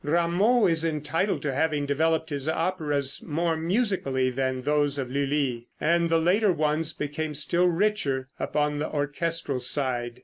Rameau is entitled to having developed his operas more musically than those of Lulli, and the later ones became still richer upon the orchestral side.